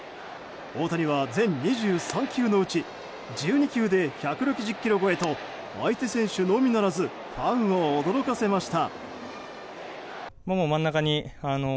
大谷は全２３球のうち１２球で１６０キロ超えと相手選手のみならずファンを驚かせました。